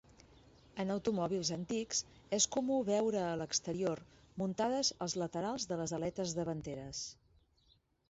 En automòbils antics, és comú veure a l'exterior, muntades als laterals de les aletes davanteres.